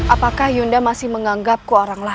apakah yunda masih menganggap ku orang lain